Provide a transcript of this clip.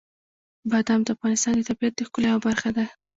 بادام د افغانستان د طبیعت د ښکلا یوه برخه ده.